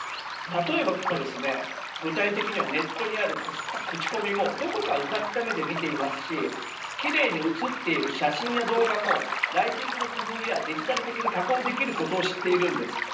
例えば具体的にネットにある口コミもどこかうがった目で見ていますしきれいに写っている写真や動画もライティングの工夫やデジタル的に加工できることを知っています。